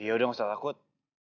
yaudah gak usah takut